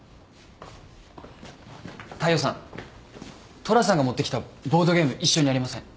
大陽さん虎さんが持ってきたボードゲーム一緒にやりません？